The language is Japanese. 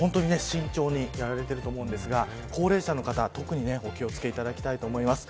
なので本当に慎重にやられていると思いますが高齢者の方、特にお気を付けいただきたいと思います。